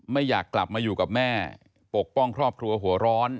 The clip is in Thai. ไม่อยากกลับมาอยู่กับแม่ปกป้องครอบครัวหัวร้อน